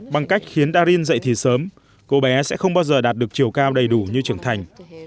bằng cách khiến darin dạy thì sớm cô bé sẽ không bao giờ đạt được chiều cao đầy đủ như trưởng thành